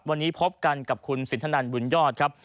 วันนี้พบกันกับคุณสินทนันบุญยอดครับ